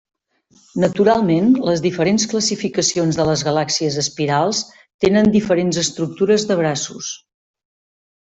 Naturalment, les diferents classificacions de les galàxies espirals tenen diferents estructures de braços.